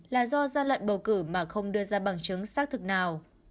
là do gian lận bầu cử mà không đưa ra bằng chứng xác thực nào